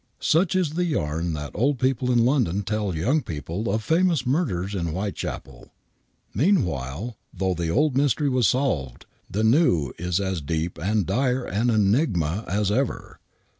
Such IS the yam that old people in London tell young people of famous murders in Whitechapel. Meanwhile, though the old mystery was solved, the new is as deep and dire an enigma as ever.